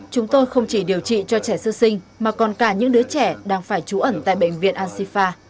chúng tôi không chỉ điều trị cho trẻ sơ sinh mà còn cả những đứa trẻ đang phải trú ẩn tại bệnh viện ansifa